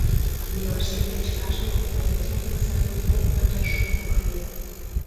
— Ӱмашсе деч кажне кооперативын сату кок пачаш шуко каен.